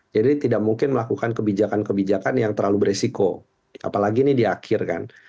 jadi tidak mungkin melakukan kebijakan kebijakan yang terlalu beresiko apalagi ini di akhir kan